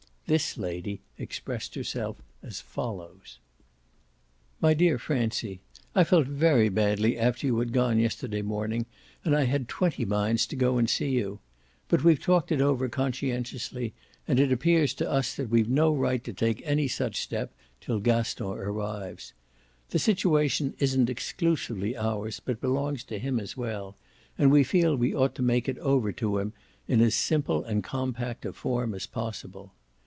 This lady expressed herself as follows: MY DEAR FRANCIE I felt very badly after you had gone yesterday morning, and I had twenty minds to go and see you. But we've talked it over conscientiously and it appears to us that we've no right to take any such step till Gaston arrives. The situation isn't exclusively ours but belongs to him as well, and we feel we ought to make it over to him in as simple and compact a form as possible.